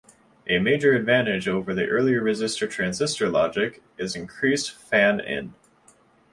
A major advantage over the earlier resistor-transistor logic is increased fan-in.